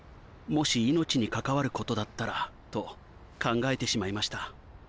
もし命に関わることだったらと考えてしまいました。